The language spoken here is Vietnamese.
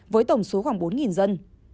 với tổng số khoảng bốn dân